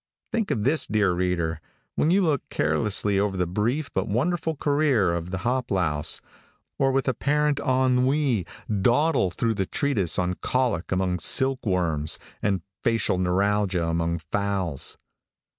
Think of this, dear reader, when you look carelessly over the brief but wonderful career of the hop louse, or with apparent ennui dawdle through the treatise on colic among silk worms, and facial neuralgia among fowls.